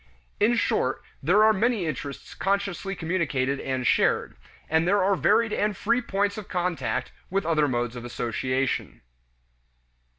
In short, there are many interests consciously communicated and shared; and there are varied and free points of contact with other modes of association.